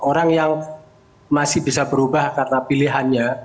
orang yang masih bisa berubah karena pilihannya